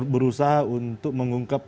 berusaha untuk mengungkap